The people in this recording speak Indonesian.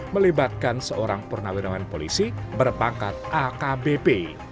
melibatkan seorang purnawirawan polisi berpangkat akbp